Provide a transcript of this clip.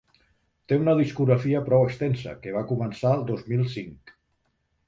Té una discografia prou extensa, que va començar el dos mil cinc.